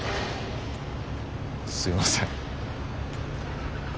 すいません。